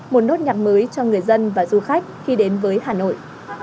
một nốt nhạc mới cho người dân và du khách khi đến với hà nội